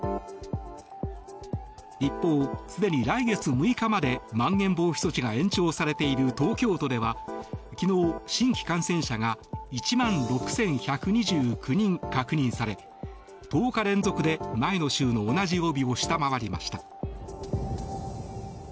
一方、すでに来月６日までまん延防止措置が延長されている東京都では昨日、新規感染者が１万６１２９人確認され１０日連続で、前の週の同じ曜日を下回りました。